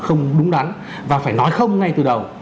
không đúng đắn và phải nói không ngay từ đầu